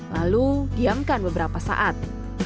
lalu diamkan beberapa saat